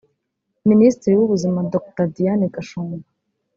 Minisitiri w’Ubuzima Dr Diane Gashumba